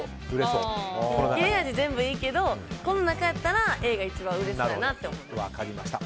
切れ味全部いいけどこの中やったらＡが一番売れそうやなって思いました。